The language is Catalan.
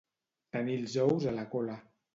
Tenir els ous a la gola.